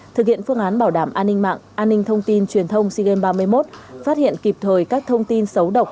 thực hiện phương án bảo đảm an ninh mạng an ninh thông tin truyền thông sea games ba mươi một phát hiện kịp thời các thông tin xấu độc